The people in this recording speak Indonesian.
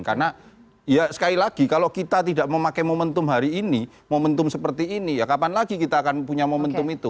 karena ya sekali lagi kalau kita tidak memakai momentum hari ini momentum seperti ini ya kapan lagi kita akan punya momentum itu